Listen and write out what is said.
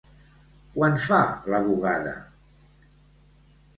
Quan fa la bugada?